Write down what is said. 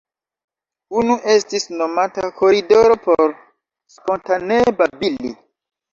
Unu estis nomata “Koridoro” por spontanee babili.